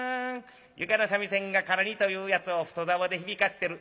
床の三味線がからりというやつを太棹で響かせてる。